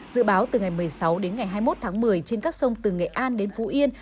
dự báo từ ngày một mươi sáu đến ngày hai mươi một tháng một mươi trên các sông từ nghệ an đến phú yên